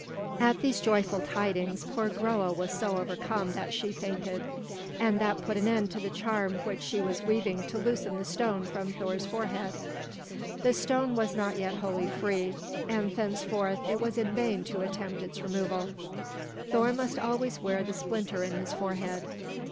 At these joyful tidings poor Groa was so overcome that she fainted. And that put an end to the charm which she was weaving to loosen the stone from Thor's forehead. The stone was not yet wholly free, and thenceforth it was in vain to attempt its removal; Thor must always wear the splinter in his forehead.